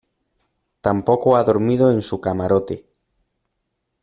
tampoco ha dormido en su camarote.